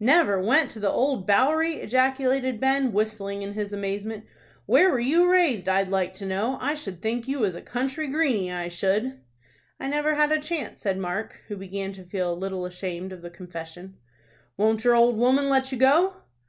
"Never went to the Old Bowery!" ejaculated Ben, whistling in his amazement. "Where were you raised, I'd like to know? I should think you was a country greeny, I should." "I never had a chance," said Mark, who began to feel a little ashamed of the confession. "Won't your old woman let you go?"